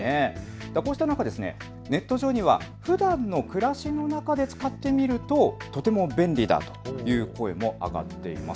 こうした中、ネット上でもふだんの暮らしの中で使ってみるととても便利だという声も上がっています。